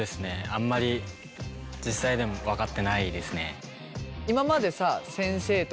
あんまり実際でも分かってないですね。